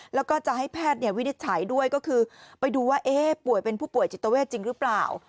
แล้วก็จะให้แพทย์วินิจฉัยด้วยก็คือไปดูว่าป่วยเป็นผู้ป่วยจิตเวทจริงหรือเปล่า